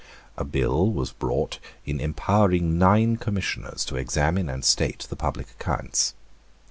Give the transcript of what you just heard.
A bill was brought in empowering nine Commissioners to examine and state the public accounts.